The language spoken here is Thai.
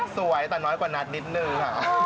สวยแต่ต้องน้อยกว่านัทนิดนึง